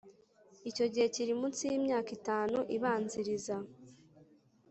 icyo gihe kiri munsi y imyaka itanu ibanziriza